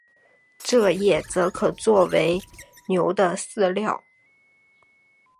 蔗叶则可做为牛的饲料。